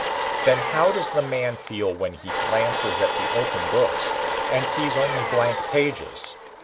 Then how does the man feel when he glances at the open books and sees only blank pages?